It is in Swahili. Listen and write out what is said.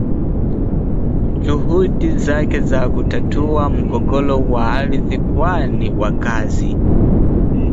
juhudi zake za kutatua mgogoro wa ardhi kwani wakazi